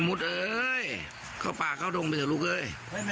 มุดเอ้ยเข้าป่าเข้าดงเดอะลูกเอ้ย